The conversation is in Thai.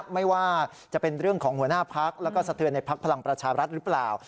ไม่ว่าจะเป็นเรื่องของหัวหน้าพักแล้วก็สะเทือนในพักพลังประชารัฐหรือเปล่า